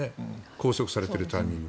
拘束されているタイミング。